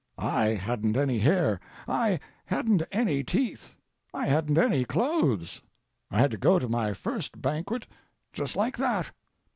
I hadn't any hair, I hadn't any teeth, I hadn't any clothes, I had to go to my first banquet just like that.